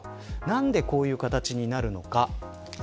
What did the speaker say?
何でこういう形になるのか。